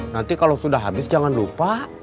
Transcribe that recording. nanti kalau sudah habis jangan lupa